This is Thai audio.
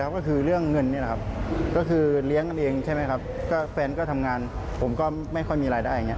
ก็คือการรายจ่ายมันเยอะกว่ารายรับ